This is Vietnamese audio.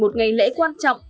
một ngày lễ quan trọng